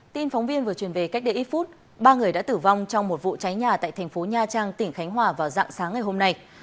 tin phóng viên vừa truyền về cách đây ít phút ba người đã tử vong trong một vụ cháy nhà tại thành phố nha trang tỉnh khánh hòa vào dạng sáng ngày hôm nay